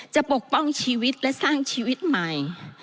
ปกป้องชีวิตและสร้างชีวิตใหม่